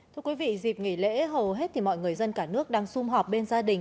thưa quý vị dịp nghỉ lễ hầu hết thì mọi người dân cả nước đang xung họp bên gia đình